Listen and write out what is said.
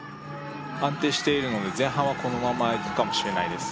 安定しているので前半はこのままいくかもしれないです